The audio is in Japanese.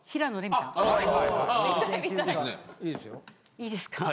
いいですか？